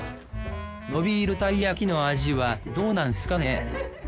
のびるたい焼きの味はどうなんすかね？